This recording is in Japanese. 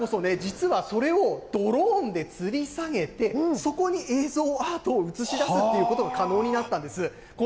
だからこそね、実はそれをドローンでつり下げて、そこに映像アートを映し出すっていうことも可能になったんです。